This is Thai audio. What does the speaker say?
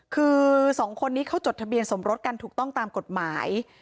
คือสองคนนี้เขาจดทะเบียนสมรสกันถูกต้องตามกฎหมาย